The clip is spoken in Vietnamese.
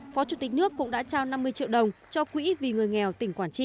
phó chủ tịch nước cũng đã trao năm mươi triệu đồng cho quỹ vì người nghèo tỉnh quảng trị